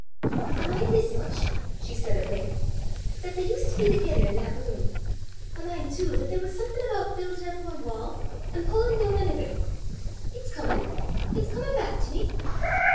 "I min' this much," she said at length, " that they used to be thegither i' that room. I min' too that there was something aboot buildin' up ae wa', an' pullin' doon anither. It's comin' it's comin' back to me!"